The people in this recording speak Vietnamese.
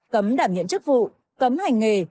cấm đảm nhiễn chức vụ cấm hành nghề